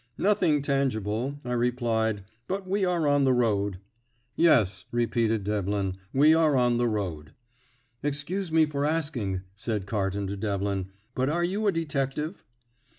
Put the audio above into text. "Nothing tangible," I replied, "but we are on the road." "Yes," repeated Devlin, "we are on the road." "Excuse me for asking," said Carton to Devlin, "but are you a detective?"